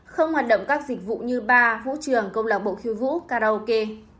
không hoạt động các dịch vụ như bar vũ trường công lạc bộ khiêu vũ karaoke